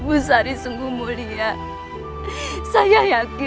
usari sungguh mulia